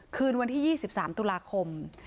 คืนวันที่๒๓ตุลาคม